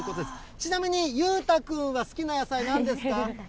ちなみにゆうた君は好きな野菜なんですか？